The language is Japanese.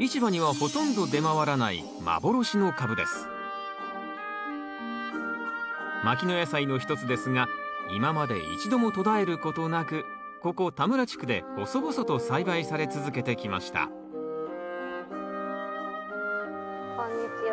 市場にはほとんど出回らない牧野野菜の一つですが今まで一度も途絶えることなくここ田村地区で細々と栽培され続けてきましたこんにちは。